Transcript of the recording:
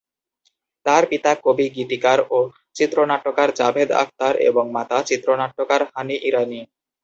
তার পিতা কবি, গীতিকার, ও চিত্রনাট্যকার জাভেদ আখতার এবং মাতা চিত্রনাট্যকার হানি ইরানি।